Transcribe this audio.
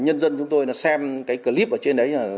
nhân dân chúng tôi nó xem cái clip ở trên đấy